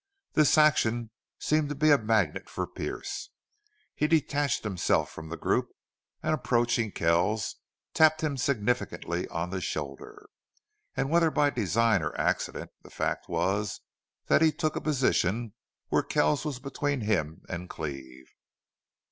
This action seemed to be a magnet for Pearce. He detached himself from the group, and, approaching Kells, tapped him significantly on the shoulder; and whether by design or accident the fact was that he took a position where Kells was between him and Cleve.